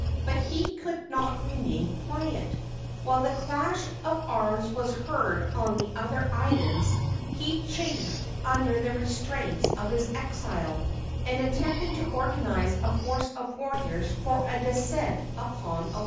But he could not remain quiet. While the clash of arms was heard on the other islands, he chafed under the restraints of his exile, and attempted to organize a force of warriors for a descent upon Oahu.